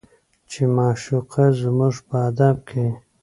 چې معشوقه زموږ په ادب کې